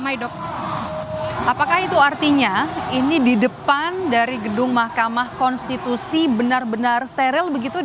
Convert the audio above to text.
apakah itu artinya ini di depan dari gedung mahkamah konstitusi benar benar steril begitu